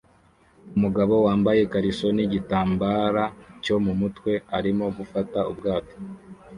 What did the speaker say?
Umugabo wambaye ikariso nigitambara cyo mumutwe arimo gufata ubwato